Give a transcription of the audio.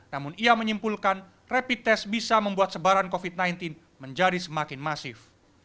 namun ia menyimpulkan rapid test bisa membuat sebaran covid sembilan belas menjadi semakin masif